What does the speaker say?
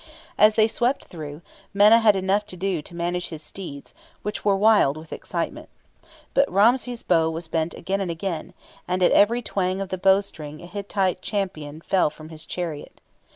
As they swept through, Menna had enough to do to manage his steeds, which were wild with excitement; but Ramses' bow was bent again and again, and at every twang of the bowstring a Hittite champion fell from his chariot.